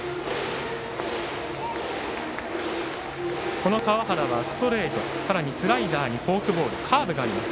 この川原はストレートスライダーにフォークボールカーブがあります。